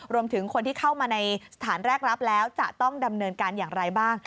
รวมถึงคนที่เข้ามาในสถานแรกรับแล้วจะต้องดำเนินการอย่างไรบ้าง